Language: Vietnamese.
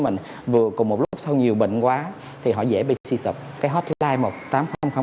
mình vừa cùng một lúc sau nhiều bệnh quá thì họ dễ bị si sụp cái hotline một nghìn tám trăm linh một mươi chín cũng không có tiền